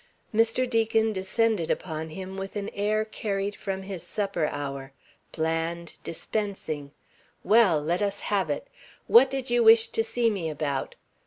Mr. Deacon descended upon him with an air carried from his supper hour, bland, dispensing. Well! Let us have it. "What did you wish to see me about?"